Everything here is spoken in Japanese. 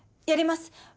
やります！